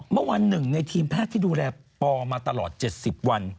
เมื่อวานหนึ่งในทีมแพทย์ที่ดูแลปอมาตลอด๗๐วัน